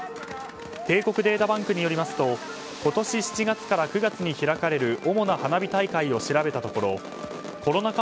帝国データバンクによりますと今年７月から９月に開かれる主な花火大会を調べたところコロナ禍